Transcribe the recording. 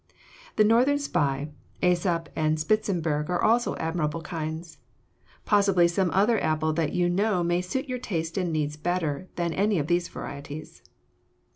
The Northern Spy, Æsop, and Spitzenburg are also admirable kinds. Possibly some other apple that you know may suit your taste and needs better than any of these varieties.